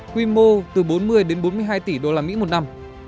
quy mô từ bốn mươi đến bốn mươi hai tỷ usd một năm